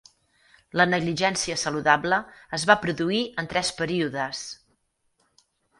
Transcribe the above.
La negligència saludable es va produir en tres períodes.